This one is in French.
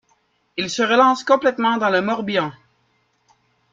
Il se relance complètement dans le Morbihan.